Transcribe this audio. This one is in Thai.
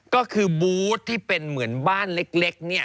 ก็คือบูธที่เป็นเหมือนบ้านเล็กเนี่ย